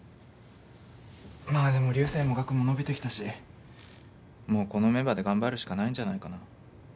まあでも流星もＧＡＫＵも伸びてきたしもうこのメンバーで頑張るしかないんじゃないかな。